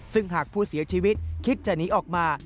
ซึ่งหากผู้เสียชีวิตคิดจะหนีออกมา